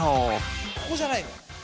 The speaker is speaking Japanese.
ここじゃないのよ。